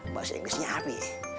bahasa inggrisnya api